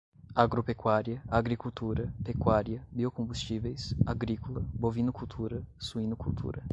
agropecuária, agricultura, pecuária, biocombustíveis, agrícola, bovinocultura, suinocultura